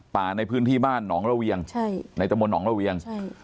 ป่าในพื้นที่บ้านหนองระเวียงในตะมนตหนองระเวียง